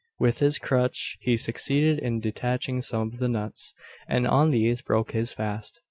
With his crutch he succeeded in detaching some of the nuts; and on these broke his fast.